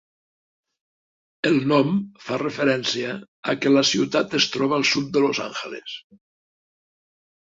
El nom fa referència a que la ciutat es troba al sud de Los Angeles.